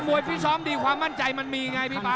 วยฟิศซ้อมดีความมั่นใจมันมีไงพี่ป่า